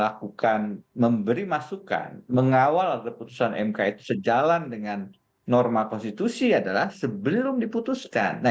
ruang untuk kita memberi masukan mengawal putusan mk sejalan dengan normal konstitusi adalah sebelum diputuskan